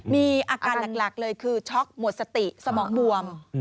มีอาการหลักเลยคือช็อกหมดสติสมองบวม